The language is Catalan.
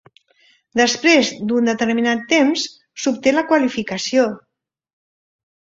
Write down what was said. Després d'un determinat temps, s'obté la qualificació.